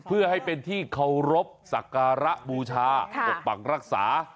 เพื่อให้เป็นที่เคารพสักการะบูชาปกปักรักษา